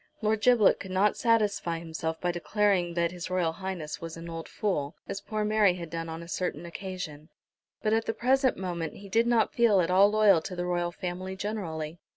Lord Giblet could not satisfy himself by declaring that H.R.H. was an old fool, as poor Mary had done on a certain occasion, but at the present moment he did not feel at all loyal to the Royal Family generally.